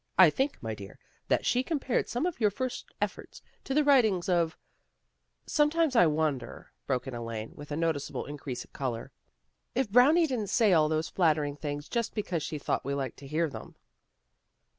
I think, my dear, that she compared some of your first efforts to the writings of " Sometimes I wonder," broke in Elaine with PEGGY ACTS AS CRITIC 137 a noticeable increase of color, " if Brownie didn't say all those flattering things just be cause she thought we liked to hear them."